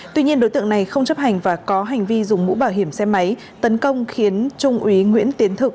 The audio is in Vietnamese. tuy nhiên đối tượng này không chấp hành và có hành vi dùng mũ bảo hiểm xe máy tấn công khiến trung úy nguyễn tiến thực